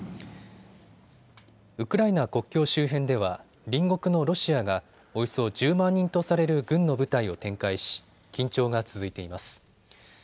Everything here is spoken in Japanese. ウクライナ国境周辺では隣国のロシアがおよそ１０万人とされる軍の部隊を展開し緊張が続いています。